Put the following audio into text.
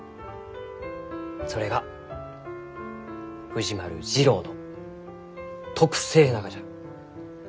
それが藤丸次郎の特性ながじゃ。